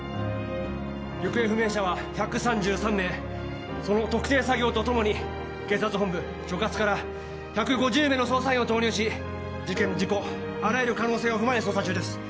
行方不明者は１３３名その特定作業とともに警察本部所轄から１５０名の捜査員を投入し事件事故あらゆる可能性を踏まえ捜査中です